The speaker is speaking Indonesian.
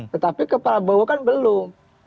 tetapi ke prabowo kan belum